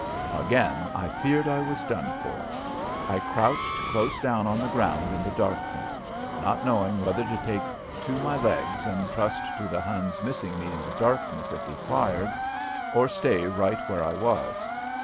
Again I feared I was done for. I crouched close down on the ground in the darkness, not knowing whether to take to my legs and trust to the Hun's missing me in the darkness if he fired, or stay right where I was.